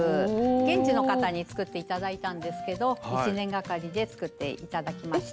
現地の方に作って頂いたんですけど１年がかりで作って頂きました。